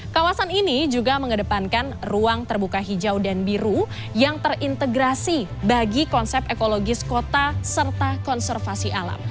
kawasan ini juga mengedepankan ruang terbuka hijau dan biru yang terintegrasi bagi konsep ekologis kota serta konservasi alam